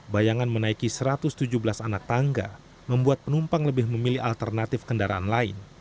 bayangan menaiki satu ratus tujuh belas anak tangga membuat penumpang lebih memilih alternatif kendaraan lain